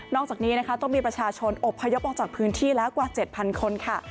จากนี้นะคะต้องมีประชาชนอบพยพออกจากพื้นที่แล้วกว่า๗๐๐คนค่ะ